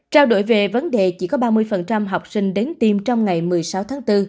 trao đổi về vấn đề chỉ có ba mươi học sinh đến tiêm trong ngày một mươi sáu tháng bốn